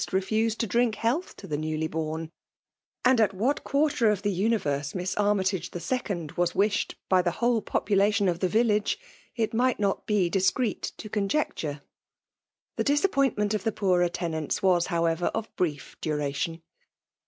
3 revised icf drink a heel&t to the newly boifn ; andat vAai quarter of the universe Miss Ar my tage the Second was wished, by the whole population of the village^ it might not be dis creet to conjecture. The disappointment of the x>oorer tenants was> however, of brief duration.